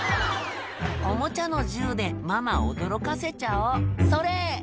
「おもちゃの銃でママ驚かせちゃおうそれ！」